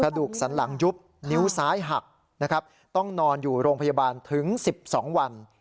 ดูสันหลังยุบนิ้วซ้ายหักนะครับต้องนอนอยู่โรงพยาบาลถึง๑๒วัน